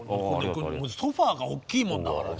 ソファーが大きいもんだからね。